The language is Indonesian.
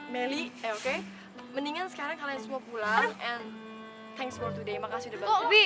melly eh oke mendingan sekarang kalian semua pulang and thanks for today makasih udah bantu